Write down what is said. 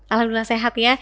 alhamdulillah sehat ya